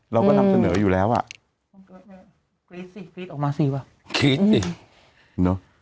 เราก็นำเสนออยู่แล้วอ่ะคิดสิคิดออกมาสิว่ะคิดสิเนอะ